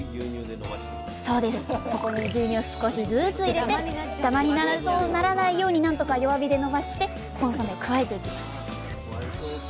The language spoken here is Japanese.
そこに牛乳を少しずつ入れてだまにならないように何とか弱火でのばしてコンソメを加えていきます。